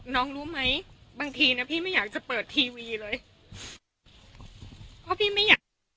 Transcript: น้องรู้ไหมบางทีนะพี่ไม่อยากจะเปิดทีวีเลย